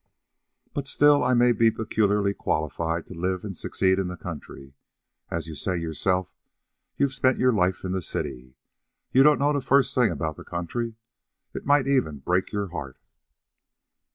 "But still, I may be peculiarly qualified to live and succeed in the country. As you say yourself, you've spent your life in the city. You don't know the first thing about the country. It might even break your heart."